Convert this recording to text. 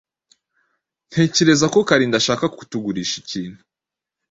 Ntekereza ko Kalinda ashaka kutugurisha ikintu.